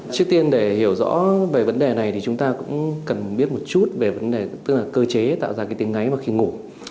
trước tiên để hiểu rõ về vấn đề này chúng ta cũng cần biết một chút về vấn đề cơ chế tạo ra tiếng ngáy khi ngủ